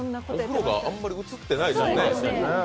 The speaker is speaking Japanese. お風呂があんまり映ってないね。